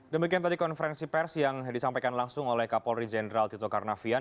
demikian tadi konferensi pers yang disampaikan langsung oleh kapolri jenderal tito karnavian